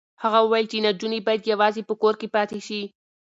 هغه وویل چې نجونې باید یوازې په کور کې پاتې شي.